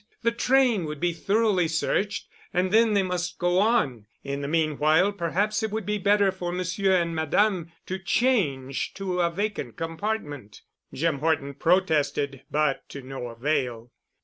The train would be thoroughly searched and then they must go on. In the meanwhile perhaps it would be better for Monsieur and Madame to change to a vacant compartment. Jim Horton protested, but to no avail.